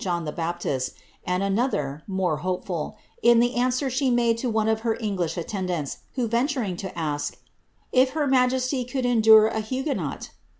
John the Baptist; and another, more hopeful, in the answer she made to one of her Elnglish attendants, who venturing to ask, ^ If her majesty could endure a Huguenot